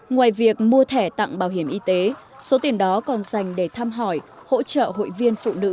ngoài việc mua thẻ tặng bảo hiểm y tế số tiền đó còn dành để thăm hỏi hỗ trợ hội viên phụ nữ